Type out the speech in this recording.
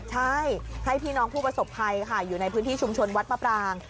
ใช่ให้พี่น้องผู้ประสบภัยค่ะอยู่ในพื้นที่ชุมชนวัดมะปราง